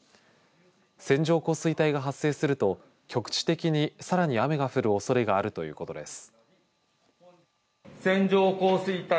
線状降水帯が発生すると局地的にさらに雨が降るおそれがあるということです。